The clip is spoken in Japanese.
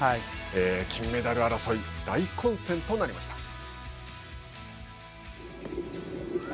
金メダル争い大混戦となりました。